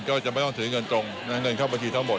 ก็จะไม่ต้องถือเงินตรงนะเงินเข้าบัญชีทั้งหมด